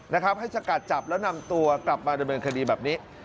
ให้ชะกัดจับแล้วนำตัวกลับมาด้วยเมืองคดีแบบนี้